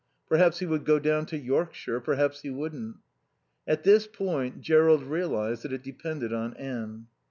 Perhaps he would go down to Yorkshire. Perhaps he wouldn't. At this point Jerrold realised that it depended on Anne.